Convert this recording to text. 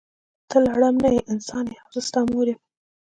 ته لړم نه یی انسان یی او زه ستا مور یم.